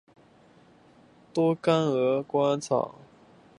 多秆鹅观草为禾本科鹅观草属下的一个种。